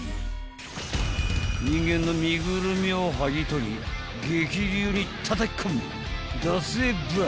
［人間の身ぐるみを剥ぎ取り激流にたたき込む］